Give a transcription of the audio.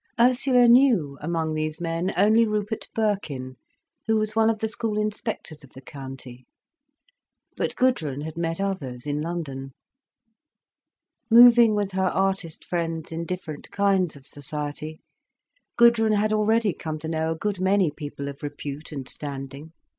Ursula knew, among these men, only Rupert Birkin, who was one of the school inspectors of the county. But Gudrun had met others, in London. Moving with her artist friends in different kinds of society, Gudrun had already come to know a good many people of repute and standing.